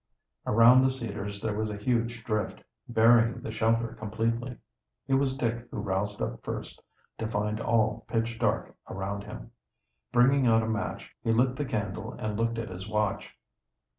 Around the cedars there was a huge drift, burying the shelter completely. It was Dick who roused up first, to find all pitch dark around him. Bringing out a match, he lit the candle and looked at his watch.